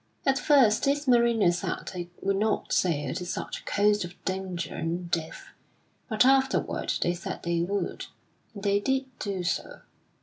At first these mariners said they would not sail to such a coast of danger and death; but afterward they said they would, and they did do so.